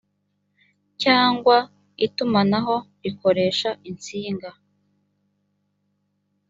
cyangwa itumanaho rikoresha insinga